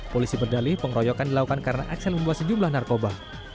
polisi berdali pengeroyokan dilakukan karena axel membuat sejumlah narkoba